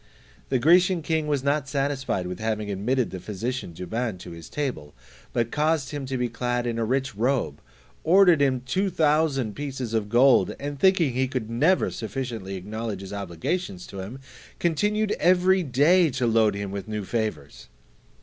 The Grecian king was not satisfied with having admitted the physician Douban to his table, but caused him to be clad in a rich robe, ordered him two thousand pieces of gold, and thinking that he could never sufficiently acknowledge his obligations to him, continued every day to load him with new favours.